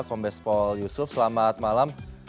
kombes pol yusuf selamat malam